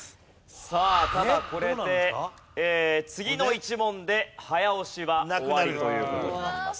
さあただこれで次の１問で早押しは終わりという事になります。